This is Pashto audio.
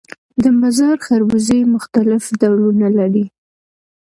د مزار خربوزې مختلف ډولونه لري